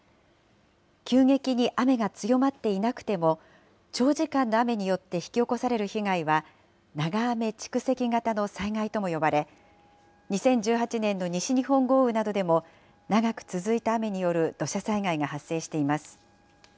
急激に雨が強まっていなくても、長時間の雨によって引き起こされる被害は、長雨蓄積型の災害とも呼ばれ、２０１８年の西日本豪雨などでも長く続いた雨による土砂災害が発生しています。